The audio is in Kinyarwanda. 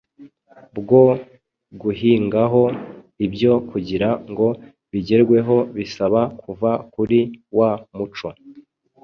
bwo guhingaho. Ibyo kugira ngo bigerweho bisaba kuva kuri wa muco